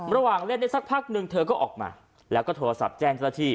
ระหว่างเล่นได้สักพักหนึ่งเธอก็ออกมาแล้วก็โทรศัพท์แจ้งเจ้าหน้าที่